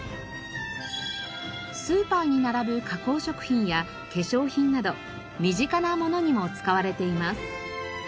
スーパーに並ぶ加工食品や化粧品など身近なものにも使われています。